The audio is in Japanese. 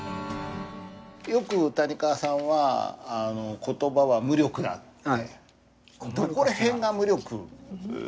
よく谷川さんは「言葉は無力だ」と。はい。どこら辺が無力であると。